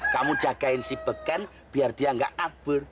kamu jagain si beken biar dia gak abur